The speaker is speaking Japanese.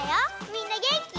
みんなげんき？